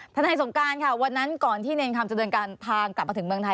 ทนายสงการค่ะวันนั้นก่อนที่เนรคำจะเดินทางกลับมาถึงเมืองไทย